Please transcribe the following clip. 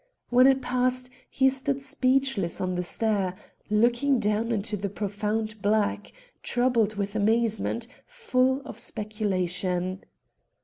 When it passed he stood speechless on the stair, looking down into the profound black, troubled with amazement, full of speculation.